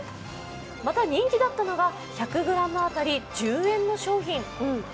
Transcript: また人気だったのが、１００ｇ当たり１０円の商品。